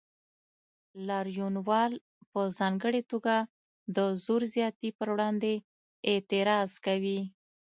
لاریونوال په ځانګړې توګه د زور زیاتي پر وړاندې اعتراض کوي.